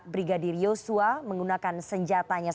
brigadir yosua menggunakan senjatanya